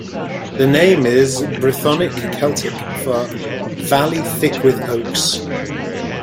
The name is Brythonic Celtic for "valley thick with oaks".